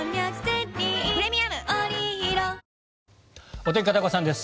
お天気、片岡さんです。